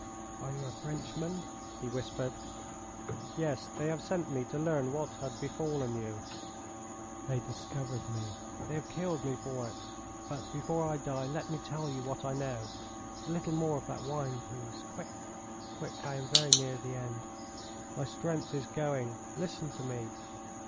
"Are you a Frenchman?" he whispered. "Yes. They have sent me to learn what had befallen you." "They discovered me. They have killed me for it. But before I die let me tell you what I know. A little more of that wine, please! Quick! Quick! I am very near the end. My strength is going. Listen to me!